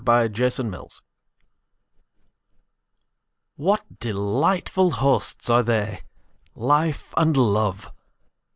A PARTING GUEST WHAT delightful hosts are they Life and Love!